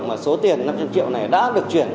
mà số tiền năm trăm linh triệu này đã được chuyển